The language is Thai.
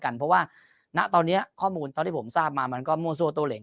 กันเพราะว่าณตอนเนี้ยข้อมูลตอนที่ผมทราบมามันก็โมโสโตแหลก